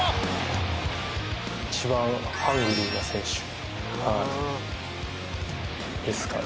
一番ハングリーな選手ですかね。